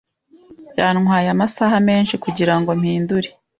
Byantwaye amasaha menshi kugirango mpindure.